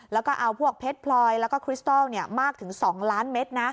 แล้วก็เอาพวกเพชรพลอยแล้วก็คริสตอลมากถึง๒ล้านเมตรนะ